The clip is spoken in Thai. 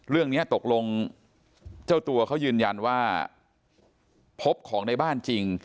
เรื่องนี้ตกลงเจ้าตัวเขายืนยันว่าพบของในบ้านจริง